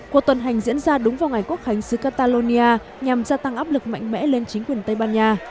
cuộc tuần hành diễn ra đúng vào ngày quốc khánh sứ catalonia nhằm gia tăng áp lực mạnh mẽ lên chính quyền tây ban nha